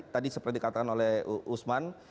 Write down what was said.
tadi seperti dikatakan oleh usman